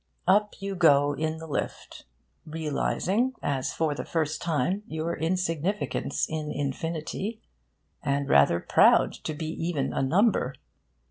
Up you go in the lift, realising, as for the first time, your insignificance in infinity, and rather proud to be even a number.